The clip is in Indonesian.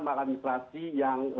maklumat administrasi yang